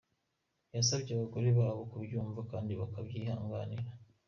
Yasabye abagore babo kubyumva kandi bakabyihanganira.